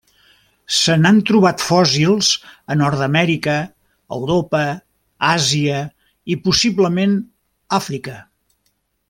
Se n'han trobat fòssils a Nord-amèrica, Europa, Àsia i possiblement Àfrica.